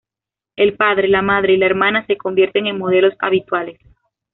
El padre, la madre y la hermana se convierten en modelos habituales.